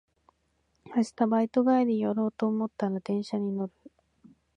明日バイト帰り寄ろうと思ったら電車に乗る